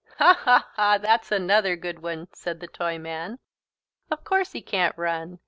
"Ha, ha, ha, that's another good one," said the Toyman. "Of course he can't run.